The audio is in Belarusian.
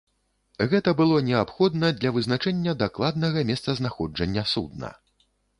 Гэта было неабходна для вызначэння дакладнага месцазнаходжання судна.